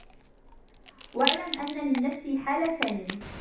وَاعْلَمْ أَنَّ لِلنَّفْسِ حَالَتَيْنِ